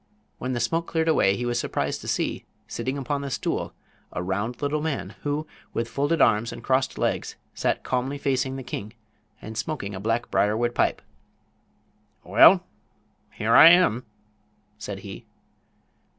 When the smoke cleared away he was surprised to see, sitting upon the stool, a round little man, who, with folded arms and crossed legs, sat calmly facing the king and smoking a black briarwood pipe. "Well, here I am," said he.